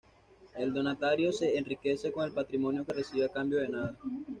El donatario se enriquece con el patrimonio que recibe a cambio de nada.